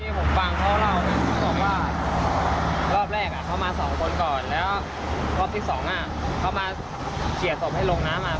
ผมฟังเขาเล่าบอกว่ารอบแรกเขามาสองคนก่อนแล้วรอบที่สองเขามาเคลียร์ศพให้ลงน้ำมา